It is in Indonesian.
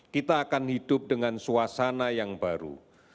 kita akan hidup dengan suasana yang baru